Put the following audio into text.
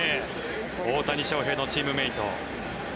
大谷翔平のチームメート。